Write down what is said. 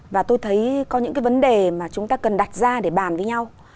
và tôi thấy có những cái vấn đề mà chúng ta cần đặt ra để bàn với nhau